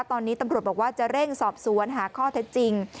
ตอนนี้ตำรวจบอกว่าจะเร่งสอบสวนหาข้อเท็จจริง